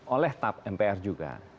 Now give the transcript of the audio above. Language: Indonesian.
oleh tap mpr juga